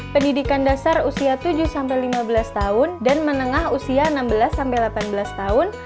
pendidikan dasar usia tujuh lima belas tahun dan menengah usia enam belas sampai delapan belas tahun